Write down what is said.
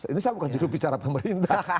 ini saya bukan judul bicara pemerintah